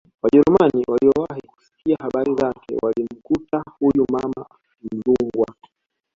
Wajerumani waliowahi kusikia habari zake walimkuta huyu mama Mzungwa